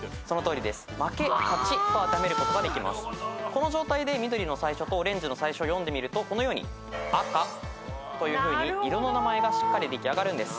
この状態で緑の最初とオレンジの最初読んでみるとこのように「あか」というふうに色の名前がしっかり出来上がるんです。